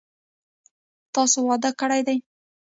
تاسو واده کړی دی؟